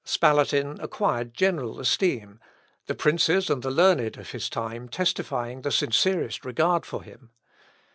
Spalatin acquired general esteem; the princes and the learned of his time testifying the sincerest regard for him.